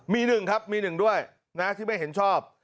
มี๑ครับมี๑ด้วยนะที่ไม่เห็นชอบ